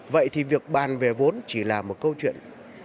vậy thì việc bàn về vốn chỉ là một câu chuyện